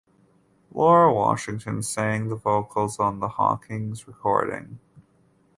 Laura Washington sang the vocals on the Hawkins recording.